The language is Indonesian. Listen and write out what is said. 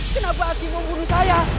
kenapa aku mau bunuh saya